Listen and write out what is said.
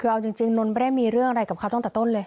คือเอาจริงนนทไม่ได้มีเรื่องอะไรกับเขาตั้งแต่ต้นเลย